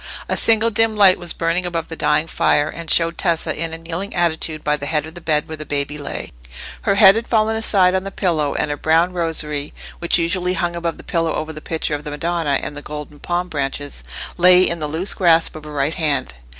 A single dim light was burning above the dying fire, and showed Tessa in a kneeling attitude by the head of the bed where the baby lay. Her head had fallen aside on the pillow, and her brown rosary, which usually hung above the pillow over the picture of the Madonna and the golden palm branches, lay in the loose grasp of her right hand.